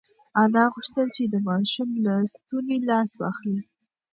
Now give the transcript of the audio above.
انا غوښتل چې د ماشوم له ستوني لاس واخلي.